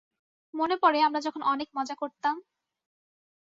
মনে পড়ে আমরা যখন অনেক মজা করতাম?